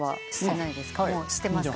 もうしてますか？